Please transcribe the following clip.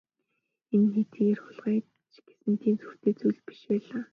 Энэ нь хэдийгээр хулгай ч гэсэн тийм сүртэй зүйл биш байлаа.